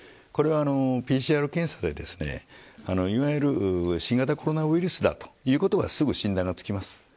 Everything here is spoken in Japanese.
これは、ＰＣＲ検査でいわゆる新型コロナウイルスだということはすぐ診断ができます。